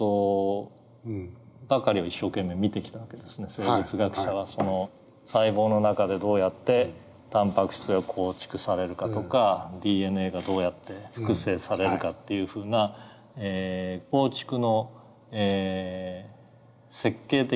生物学者はその細胞の中でどうやってタンパク質が構築されるかとかＤＮＡがどうやって複製されるかっていうふうな構築の設計的なメカニズムを一生懸命研究してきた。